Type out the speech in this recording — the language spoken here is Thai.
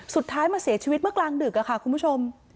สุดท้ายมาเสียชีวิตเมื่อกลางดึกค่ะคุณผู้ชม